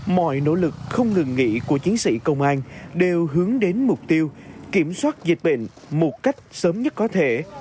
mọi nỗ lực không ngừng nghỉ của chiến sĩ công an đều hướng đến mục tiêu kiểm soát dịch bệnh một cách sớm nhất có thể